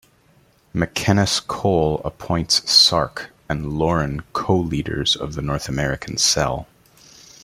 McKenas Cole appoints Sark and Lauren co-leaders of the North American cell.